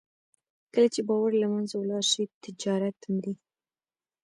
کله چې باور له منځه ولاړ شي، تجارت مري.